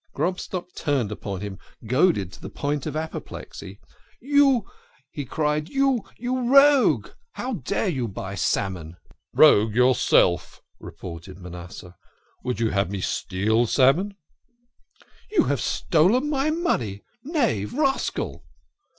Grobstock turned upon him, goaded to the point of apoplexy. " You !" he cried. " You you rogue ! How dare you buy salmon !"" Rogue yourself !" retorted Manasseh. " Would you have me steal salmon?" THE KING OF SCHNORRERS. 15 " You have stolen my money, knave, rascal